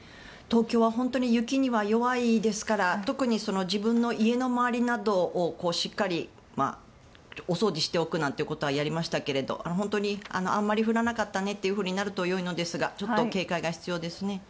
東京は本当に雪には弱いですから特に自分の家の周りなどをしっかりお掃除しておくなんてことはやりましたけど本当にあまり降らなかったねとなるとよいのですがちょっと警戒が必要ですね。